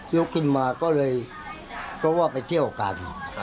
ลุกขึ้นมาก็เลยก็ว่าไปเที่ยวกัน